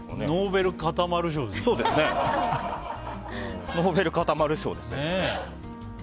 ノーベル固まる賞ですね。